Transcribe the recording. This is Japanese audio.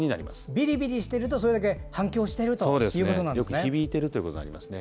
ビリビリしているとそれだけ反響しているということなんですね。